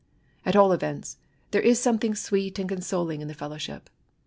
At all events, there is something sweet and consoling in the feUowship.